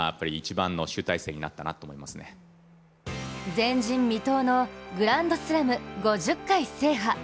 前人未到のグランドスラム５０回制覇。